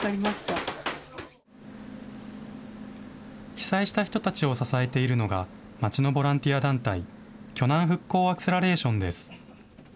被災した人たちを支えているのが、町のボランティア団体、鋸南復興アクセラレーションです。